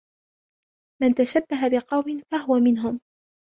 مَنْ تَشَبَّهَ بِقَوْمٍ فَهُوَ مِنْهُمْ